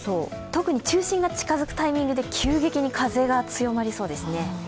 特に中心が近づくタイミングで急激に風が強まりそうですね。